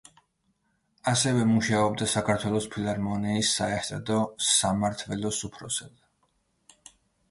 ასევე მუშაობდა საქართველოს ფილარმონიის საესტრადო სამმართველოს უფროსად.